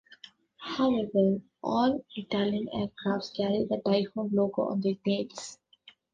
However all Italian aircraft carry the "Typhoon" logo on their tails.